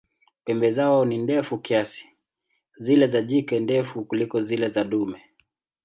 Pembe zao ni ndefu kiasi, zile za jike ndefu kuliko zile za dume.